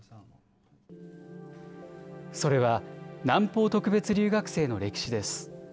それは南方特別留学生の歴史です。